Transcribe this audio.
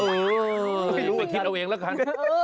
ไม่ติดเอาเองแล้วกัน